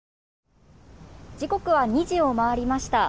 時刻は２時を回りました。